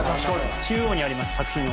中央にあります作品の。